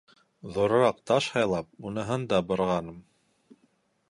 Ҙурыраҡ таш һайлап, уныһын да бырғаным.